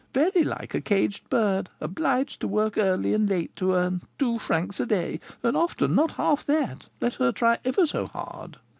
very like a caged bird, obliged to work early and late to earn two francs a day, and often not half that, let her try ever so hard."